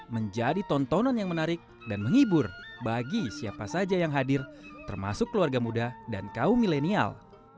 menjadi tontonan yang menarik dan menghibur bagi siapa saja yang hadir termasuk keluarga muda dan kaum milenial